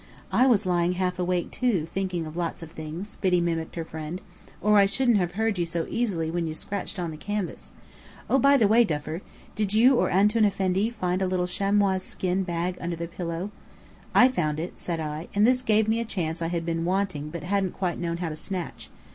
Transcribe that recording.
"I was lying half awake, too, thinking of 'lots of things,'" Biddy mimicked her friend, "or I shouldn't have heard you so easily when you scratched on the canvas. Oh, by the way, Duffer, did you or Antoun Effendi find a little chamois skin bag under the pillow?" "I found it," said I, and this gave me a chance I had been wanting but hadn't quite known how to snatch.